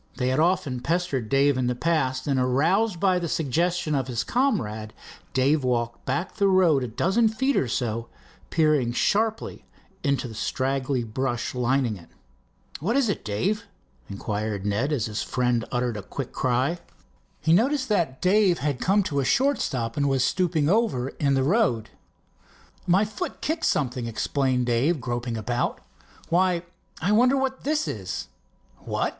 They had often pestered Dave in the past, and, aroused by the suggestion of his comrade, Dave walked back the road a dozen feet or so, peering sharply into the straggly brush lining it. "What is it, Dave?" inquired Ned, as his friend uttered a quick cry. He noticed that Dave had come to a short stop and was stooping over in the road. "My foot kicked something," explained Dave, groping about. "Why, I wonder what this is?" "What?"